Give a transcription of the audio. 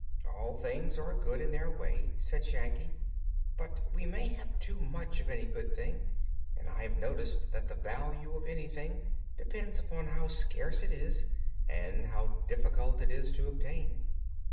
"All things are good in their way," said Shaggy; "but we may have too much of any good thing. And I have noticed that the value of anything depends upon how scarce it is, and how difficult it is to obtain."